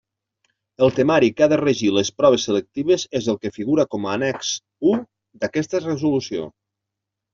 El temari que ha de regir les proves selectives és el que figura com a annex u d'aquesta resolució.